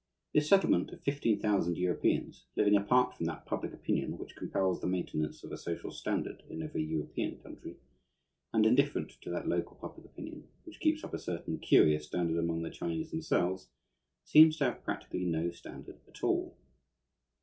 This settlement of fifteen thousand Europeans, living apart from that public opinion which compells the maintenance of a social standard in every European country, and indifferent to that local public opinion which keeps up a certain curious standard among the Chinese themselves, seems to have practically no standard at all.